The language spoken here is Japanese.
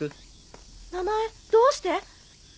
名前どうして。